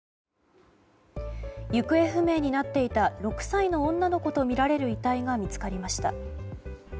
行方不明になっていた６歳の女の子とみられる遺体が見つかりました。